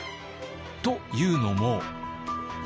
というのも。